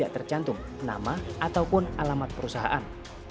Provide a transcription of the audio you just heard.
tercantum nama ataupun alamat perusahaan